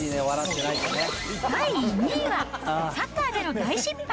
第２位は、サッカーでの大失敗。